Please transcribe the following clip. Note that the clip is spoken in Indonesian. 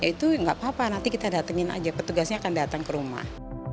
itu tidak apa apa nanti kita datangkan saja petugasnya akan datang ke rumah